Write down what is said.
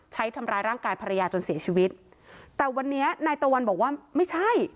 ใช้ทำร้ายร่างกายภรรยาจนเสียชีวิตแต่วันนี้นายตะวันบอกว่าไม่ใช่